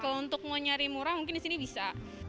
kalau untuk mau nyari murah mungkin disini bisa